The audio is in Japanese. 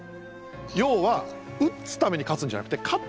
要は打つために勝つんじゃなくて勝ってから打つ。